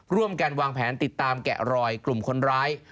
ร่วมกันวางแผนติดตามแกะรอยกลุ่มคนร้าย